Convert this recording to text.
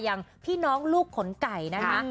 อย่างพี่น้องลูกขนไก่นะคะ